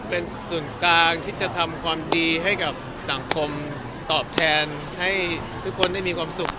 เป็นส่วนกลางที่จะทำความดีให้กับสังคมตอบแทนให้ทุกคนได้มีความสุข